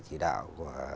chỉ đạo của